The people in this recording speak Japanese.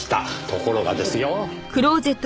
ところがですよ。